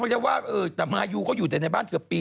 อยากว่ามายูก็อยู่ในบ้านเกือบปี